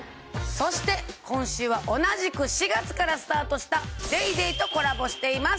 そして今週は同じく４月からスタートした『ＤａｙＤａｙ．』とコラボしています。